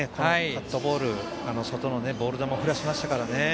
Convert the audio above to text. カットボールで外のボール球を振らせましたからね。